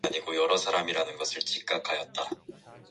먼저 가.